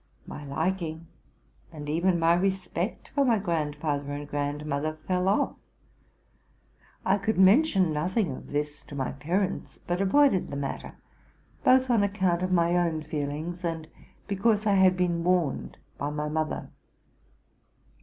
My liking and even my respect for my grandfather and grandmother fell off. I could mention nothing of this to my parents, but avoided the matter, both on account of my own feelings, and because I had been warned by my mother.